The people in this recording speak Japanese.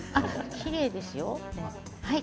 きれいですよ。